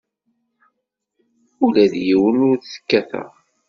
Ula d yiwen ur t-kkateɣ.